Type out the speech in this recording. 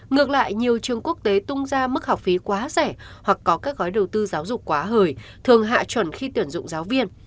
ngược lại nhiều trường quốc tế tung ra mức học phí quá rẻ hoặc có các gói đầu tư giáo dục quá hời thường hạ chuẩn khi tuyển dụng giáo viên